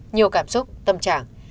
nhiều cảm xúc tâm trạng